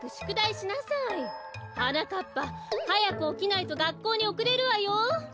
はなかっぱはやくおきないとがっこうにおくれるわよ。